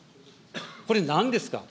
これなんですか。